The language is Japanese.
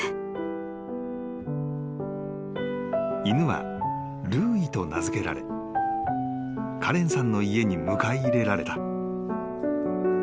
［犬はルーイと名付けられカレンさんの家に迎え入れられた］